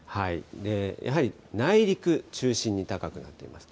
やはり内陸中心に高くなっています。